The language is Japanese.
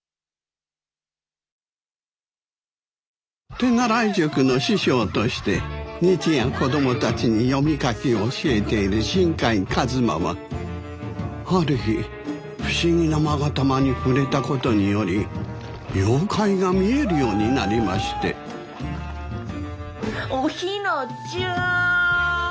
手習い塾の師匠として日夜子どもたちに読み書きを教えている新海一馬はある日不思議な勾玉に触れたことにより妖怪が見えるようになりましてお雛ちゃん！